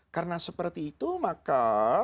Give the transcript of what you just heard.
karena seperti itu maka